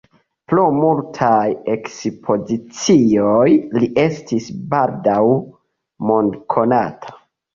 Pro multaj ekspozicioj li estis baldaŭ mondkonata.